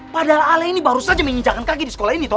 padahal ale ini baru saja menginjakkan kaki di sekolah ini toh